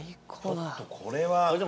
ちょっとこれは。